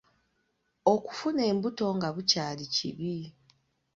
Okufuna embuto nga bukyali kibi.